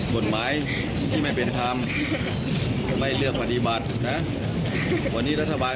ก็ไม่ต้องว่า